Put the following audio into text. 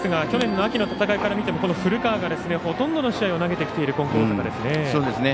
去年の秋の戦いから見ても古川がほとんどの試合を投げてきている金光大阪ですね。